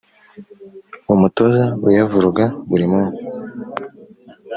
umutozo uyavuruga buri kanya